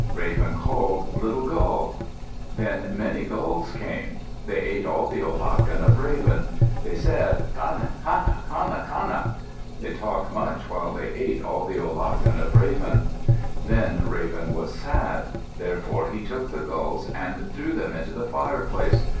Raven called, "Little Gull!" Then many gulls came. They ate all the olachen of Raven. They said, "Qana, qana, qana, qana!" They talked much while they ate all the olachen of Raven. Then Raven was sad. Therefore he took the gulls and threw them into the fireplace.